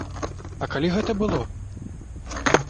А калі гэта было?